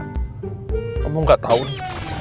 kamu gak tahu nih